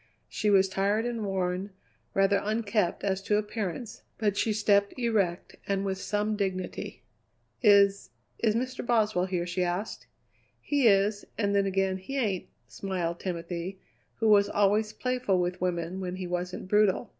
She was tired and worn, rather unkempt as to appearance, but she stepped erect and with some dignity. "Is is Mr. Boswell here?" she asked. "He is, and then again he ain't," smiled Timothy, who was always playful with women when he wasn't brutal.